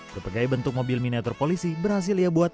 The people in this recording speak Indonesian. berbagai bentuk mobil miniatur polisi berhasil ia buat